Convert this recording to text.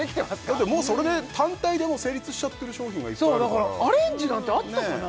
だってもうそれで単体でもう成立しちゃってる商品がいっぱいあるからそうだからアレンジなんてあったかな？